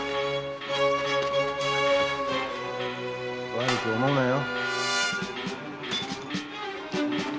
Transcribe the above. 悪く思うなよ。